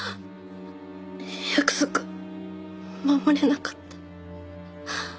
約束守れなかった。